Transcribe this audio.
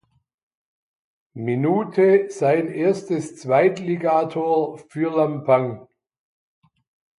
Minute sein erstes Zweitligator für Lampang.